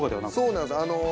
そうなんです。